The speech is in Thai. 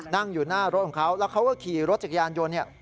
นั่งอยู่หน้ารถของเขาแล้วเขาก็ขี่รถจักรยานยนต์เนี่ย